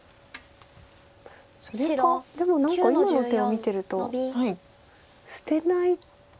それかでも何か今の手を見てると捨てない。